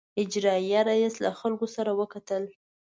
اجرائیه رییس له خلکو سره وکتل.